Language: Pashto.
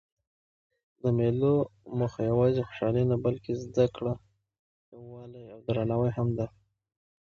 د مېلو موخه یوازي خوشحالي نه؛ بلکې زدکړه، یووالی او درناوی هم دئ.